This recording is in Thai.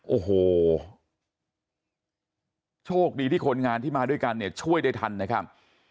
โอ้โหโชคดีที่คนงานที่มาด้วยกันเนี่ยช่วยได้ทันนะครับ